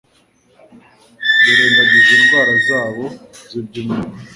birengagizaga indwara zabo z'iby'umwuka,